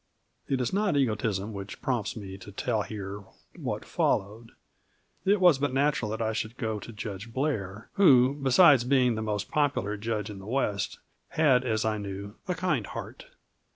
It is not egotism which prompts me to tell here of what followed. It was but natural that I should go to Judge Blair, who, besides being the most popular Judge in the West, had, as I knew, a kind heart.